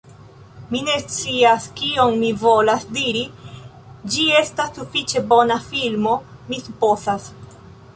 Mi ne scias kion mi volas diri ĝi estas sufiĉe bona filmo, mi supozas